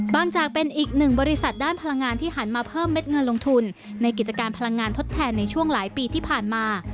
จากเป็นอีกหนึ่งบริษัทด้านพลังงานที่หันมาเพิ่มเม็ดเงินลงทุนในกิจการพลังงานทดแทนในช่วงหลายปีที่ผ่านมา